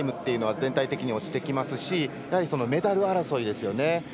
全体的に落ちてきますしメダル争いですよね。